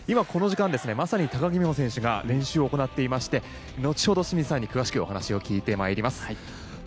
この時間まさに高木選手が練習を行っていて後ほど、清水さんに詳しくお話を伺ってまいります。